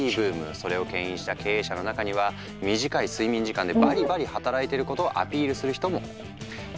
それをけん引した経営者の中には短い睡眠時間でバリバリ働いていることをアピールする人も。